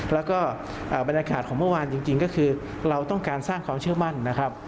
แล้วก็บรรยากาศของเมื่อวานจริงก็คือเราต้องการสร้างความเชื่อมั่นนะครับ